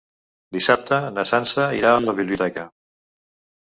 Dissabte na Sança irà a la biblioteca.